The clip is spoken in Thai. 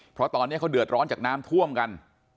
เพราะตอนนี้เขาเดือดร้อนจากน้ำท่วมกัน